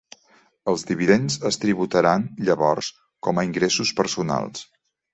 Els dividends es tributaran llavors com a ingressos personals.